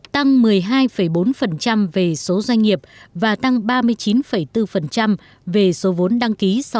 tăng một mươi hai bốn về số doanh nghiệp và tăng ba mươi chín bốn về số vốn đăng ký sáu mươi